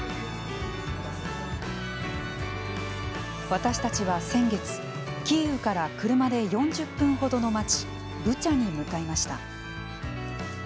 私たちは先月キーウから車で４０分ほどの町ブチャに向かいました。